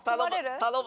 頼む。